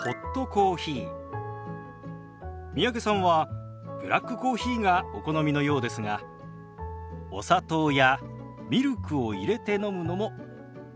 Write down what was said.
三宅さんはブラックコーヒーがお好みのようですがお砂糖やミルクを入れて飲むのもおすすめです。